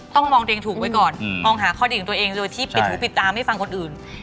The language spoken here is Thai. ต้องมองตัวเองถูกไว้ก่อนมองหาข้อดีของตัวเองโดยที่ปิดหูปิดตาไม่ฟังคนอื่น